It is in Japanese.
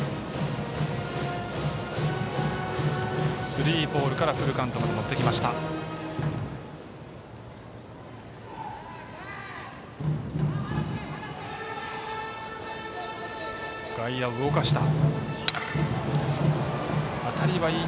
スリーボールからフルカウントへ持ってきました。